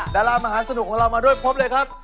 ดารามหาสนุกของเรามาด้วยพบเลยครับ